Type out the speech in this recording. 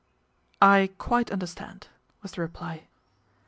" I quite understand," was the reply.